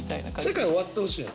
世界終わってほしいの？